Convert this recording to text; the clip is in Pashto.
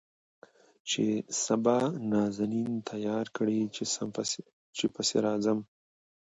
چې سبا نازنين تيار کړي چې پسې راځم.